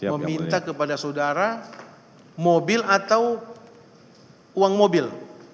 meminta kepada saudara mobil atau uang mobil